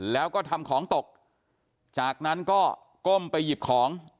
แล้วก็ทำของตกจากนั้นก็ก้มไปหยิบของ